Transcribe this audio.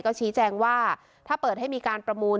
ก็ชี้แจงว่าถ้าเปิดให้มีการประมูล